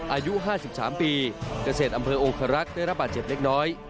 อายุ๕๓ปีเกษตรอำเภอองคารักษ์ได้รับบาดเจ็บเล็กน้อย